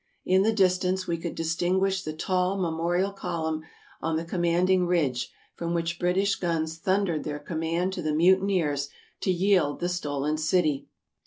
In the distance we could distinguish the tall memorial column on the com manding ridge from which British guns thundered their command to the mutineers to yield the stolen city.